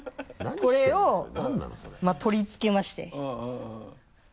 それこれを取り付けまして。